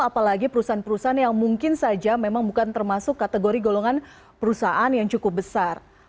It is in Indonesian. apalagi perusahaan perusahaan yang mungkin saja memang bukan termasuk kategori golongan perusahaan yang cukup besar